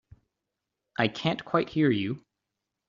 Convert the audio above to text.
I can't quite hear you.